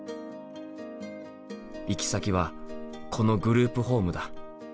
行き先はこのグループホームだ。